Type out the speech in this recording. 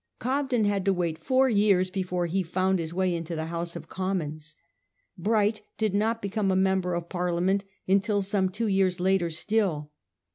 Cobden had to wait four years before he found his way into the House of Commons ; Bright did not become a mem ber of Parliament until some two years later still.